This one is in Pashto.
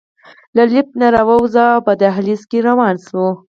له لفټ نه راووځو او په دهلېز کې روان شو.